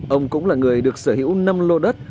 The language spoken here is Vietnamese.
ông cũng là người được sở hữu năm lô đất